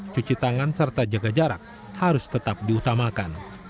cuci tangan serta jaga jarak harus tetap diutamakan